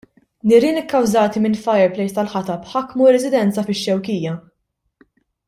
Nirien ikkawżati minn fireplace tal-ħatab ħakmu residenza fix-Xewkija.